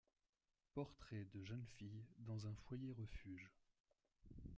Portrait de jeunes filles dans un foyer-refuge.